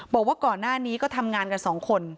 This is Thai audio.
บอกว่าก่อนหน้านี้ก็ทำงานกันสองคน